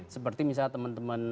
seperti misalnya teman teman